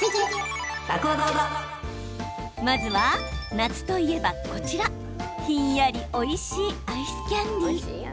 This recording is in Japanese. まずは、夏といえばこちらひんやりおいしいアイスキャンディー。